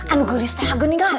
anu garis tehagen nih kan